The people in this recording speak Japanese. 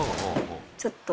ちょっと。